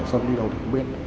sông đi đâu thì cũng biết